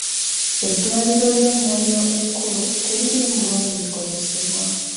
Eddwaliro ly'e Moyo ekkulu teririimu bulungi bikozesebwa.